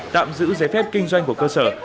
tạm giữ giấy phép kinh doanh của cơ sở